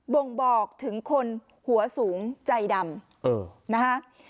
บ่งบอกถึงคนหัวสูงใจดำนะฮะ